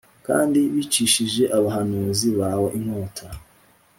kandi bicishije abahanuzi bawe inkota